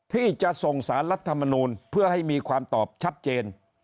ที่จะส่งสารรัฐมนูลเพื่อให้มีความตอบชัดเจน